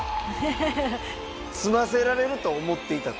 「詰ませられると思っていた」と。